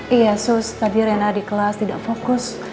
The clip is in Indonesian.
iya sus tadi rena di kelas tidak fokus